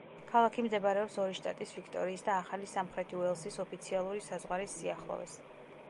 ქალაქი მდებარეობს ორი შტატის ვიქტორიის და ახალი სამხრეთი უელსის ოფიციალური საზღვარის სიახლოვეს.